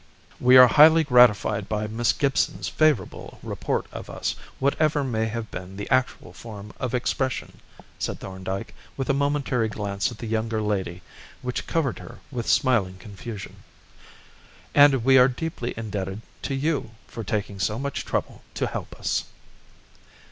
"We are highly gratified by Miss Gibson's favourable report of us, whatever may have been the actual form of expression," said Thorndyke, with a momentary glance at the younger lady which covered her with smiling confusion, "and we are deeply indebted to you for taking so much trouble to help us."